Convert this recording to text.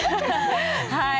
はい。